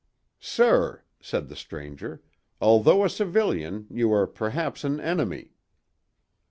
"Sir," said the stranger, "although a civilian, you are perhaps an enemy."